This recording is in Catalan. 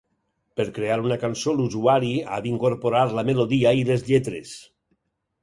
Per crear una cançó, l'usuari ha d'incorporar la melodia i les lletres.